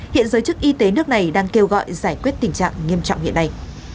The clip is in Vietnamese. hiện giới chức y tế nước này đang kêu gọi giải quyết tình trạng nghiêm trọng hiện nay